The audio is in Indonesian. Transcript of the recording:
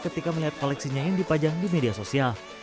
ketika melihat koleksinya yang dipajang di media sosial